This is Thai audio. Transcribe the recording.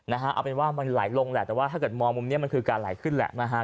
เอาเป็นว่ามันไหลลงแหละแต่ว่าถ้าเกิดมองมุมนี้มันคือการไหลขึ้นแหละนะฮะ